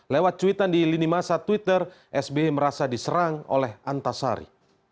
lewat cuitan di lini masa twitter sby merasa diserang oleh antasari